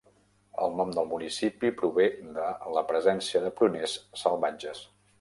El nom del municipi prové de la presència de pruners salvatges.